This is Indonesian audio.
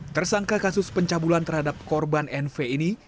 tersangka kasus pencabulan terhadap korban nv ini